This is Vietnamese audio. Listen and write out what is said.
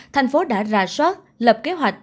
thành phố đã ra soát lập kế hoạch